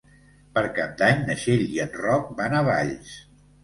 Per Cap d'Any na Txell i en Roc van a Valls.